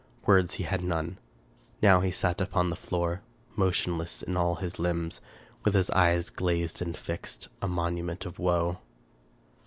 Words he had none. Now he sat upon the floor, motionless in all his limbs, with his eyes glazed and fixed, a monument of woe.